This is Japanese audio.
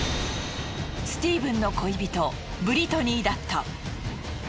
スティーブンの恋人ブリトニーだった。